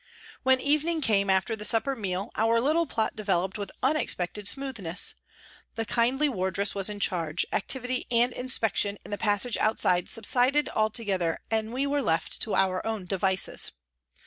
When evening came after the supper meal our little plot developed with unexpected smoothness. The kindly wardress was in charge, activity and " in spection " in the passage outside subsided altogether and we were left to our own devices.